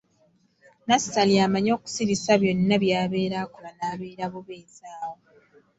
Nassali amanyi okusirisa byonna by'abeera akola n’abeera bubeezi awo.